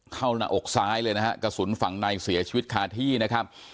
หน้าอกซ้ายเลยนะฮะกระสุนฝังในเสียชีวิตคาที่นะครับ